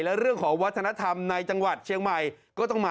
และเรื่องของวัฒนธรรมในจังหวัดเชียงใหม่